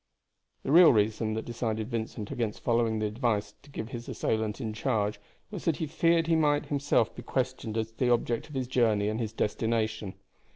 The real reason that decided Vincent against following the advice to give his assailant in charge was that he feared he himself might be questioned as to the object of his journey and his destination.